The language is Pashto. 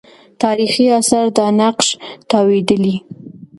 تاریخي آثار دا نقش تاییدولې.